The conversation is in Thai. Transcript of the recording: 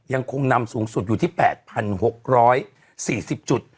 ยังคงนำสูงสุดอยู่ที่๘๖๔๐จุด